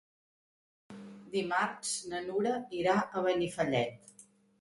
Dimarts na Nura irà a Benifallet.